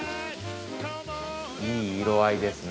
いい色合いですね。